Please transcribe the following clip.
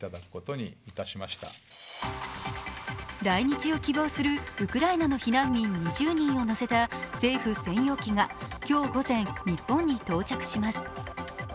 来日を希望するウクライナの避難民２０人を乗せた政府専用機が今日午前、日本に到着します。